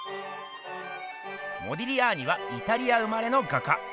モディリアーニはイタリア生まれの画家。